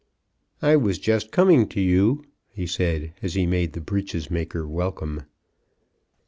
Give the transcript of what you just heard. "I was just coming to you," he said, as he made the breeches maker welcome.